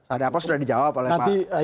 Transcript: ada apa sudah dijawab oleh pak